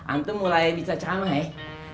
antum mulai bisa ceramah ya